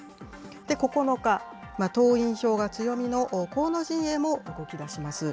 ９日、党員票が強みの河野陣営も動きだします。